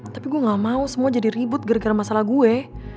tapi gue gak mau semua jadi ribut gara gara masalah gue